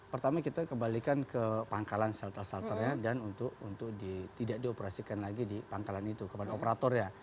pertama kita kembalikan ke pangkalan shelter shelternya dan untuk tidak dioperasikan lagi di pangkalan itu kepada operatornya